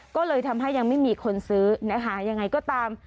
ก็เลยทำให้ยังไม่มีคนซื้อนะคะยังไงก็ตาม